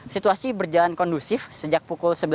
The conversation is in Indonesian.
situasi berjalan kondusif sejak pukul sebelas